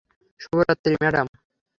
শুভ রাত্রি, ম্যাডাম।